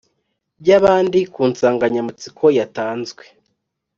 by’abandi ku nsanganyamatsiko yatanzwe